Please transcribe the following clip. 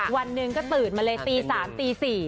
วันหนึ่งก็ตื่นมาเลยตี๓ตี๔